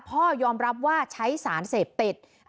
พ่อยอมรับว่าใช้สารเสพติด